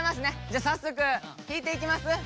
じゃあ早速引いていきます？